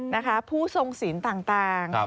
นะคะผู้ทรงศีลต่าง